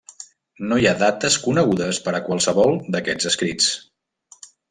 No hi ha dates conegudes per a qualsevol d'aquests escrits.